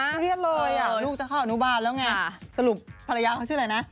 เรียกเลยลูกจะเข้าอนุบาลแล้วไงสรุปภรรยาเขาชื่ออะไรนะ